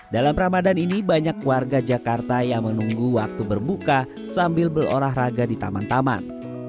dalam ramadan ini banyak warga jakarta yang menunggu waktu berbuka sambil berolahraga di taman taman